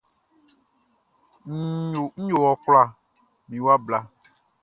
Nʼyo wɔ kula mi wa bla.